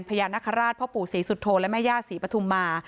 พญานาคาราชพ่อปู่ศรีสุโธและแม่ย่าศรีปฐุมมา